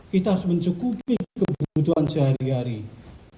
kita harus mencukupi kebutuhan sehariannya